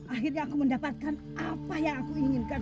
akhirnya aku mendapatkan apa yang aku inginkan